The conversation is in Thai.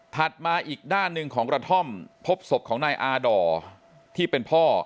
มาอีกด้านหนึ่งของกระท่อมพบศพของนายอาด่อที่เป็นพ่อ